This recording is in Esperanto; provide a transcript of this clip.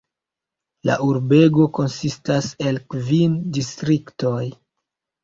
La urbego konsistas el kvin distriktoj.